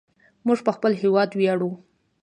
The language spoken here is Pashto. موږ په خپل هیواد ویاړو.